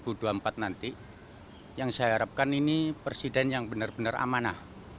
untuk tahun dua ribu dua puluh empat nanti yang saya harapkan ini presiden yang benar benar amanah